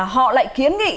họ lại kiến nghị